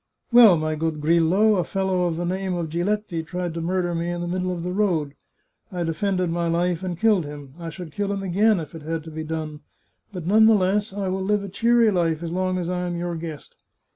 " Well, my good Grillo, a fellow of the name of Giletti tried to murder me in the middle of the road. I defended my life, and killed him. I should kill him again, if it had to be done. But none the less I will live a cheery life as long as I am your gfuest.